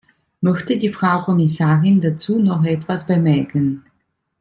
Möchte die Frau Kommissarin dazu noch etwas bemerken.